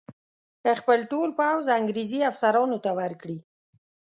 خپل ټول پوځ انګرېزي افسرانو ته ورکړي.